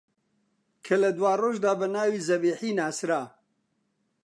کە لە دواڕۆژدا بە ناوی زەبیحی ناسرا